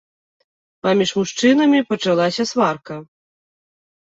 Паміж мужчынамі пачалася сварка.